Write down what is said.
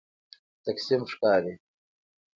تقسیم ښکاري.